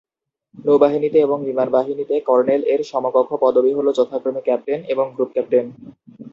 নৌবাহিনীতে এবং বিমান বাহিনীতে কর্নেল-এর সমকক্ষ পদবী হলো যথাক্রমে ক্যাপ্টেন এবং গ্রুপ ক্যাপ্টেন।